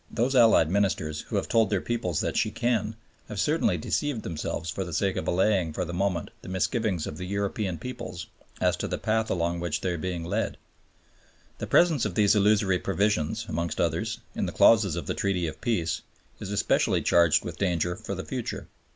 Those Allied Ministers, who have told their peoples that she can, have certainly deceived them for the sake of allaying for the moment the misgivings of the European peoples as to the path along which they are being led. The presence of these illusory provisions (amongst others) in the clauses of the Treaty of Peace is especially charged with danger for the future.